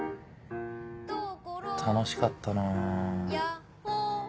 楽しかったな。